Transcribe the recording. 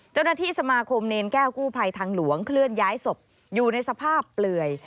เจ้าหน้าที่สมาคมเนรแก้วกู้ภัยทางหลวงเคลื่อนย้ายศพอยู่ในสภาพเปลื่อย